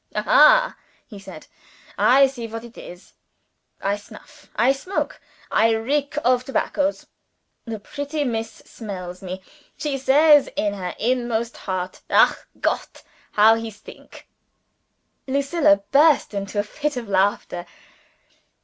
"Aha!" he said. "I see what it is. I snuff, I smoke, I reek of tobaccos. The pretty Miss smells me. She says in her inmost heart Ach Gott, how he stink!" Lucilla burst into a fit of laughter.